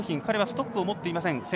彼はストックを持っていません。